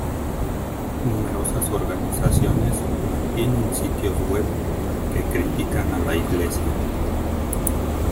Numerosas organizaciones mantiene sitios web que critican a la iglesia.